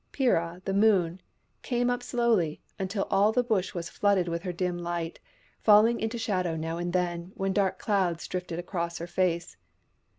Peera, the Moon, came up slowly, until all the Bush was flooded with her dim light, falling into shadow now and then, when dark clouds drifted across her face.